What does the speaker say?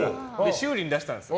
修理に出したんです。